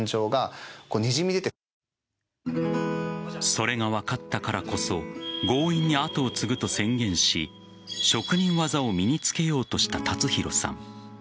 それが分かったからこそ強引に後を継ぐと宣言し職人技を身に付けようとした達宏さん。